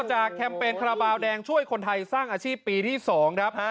แคมเปญคาราบาลแดงช่วยคนไทยสร้างอาชีพปีที่๒ครับ